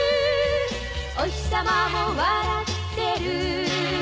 「おひさまも笑ってる」